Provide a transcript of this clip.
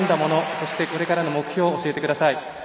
そして、これからの目標教えてください。